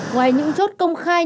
ngoài những chốt công khai